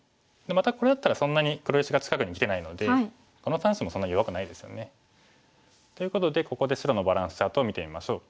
またこれだったらそんなに黒石が近くにきてないのでこの３子もそんなに弱くないですよね。ということでここで白のバランスチャートを見てみましょう。